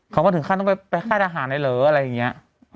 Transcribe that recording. เขาก็ถึงขั้นต้องไปค่ายทหารเลยเหรออะไรอย่างนี้